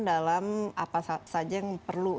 dalam apa saja yang perlu